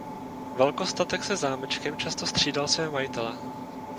Velkostatek se zámečkem často střídal své majitele.